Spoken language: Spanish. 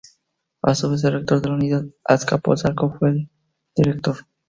A su vez, el Rector de la Unidad Azcapotzalco fue el Dr.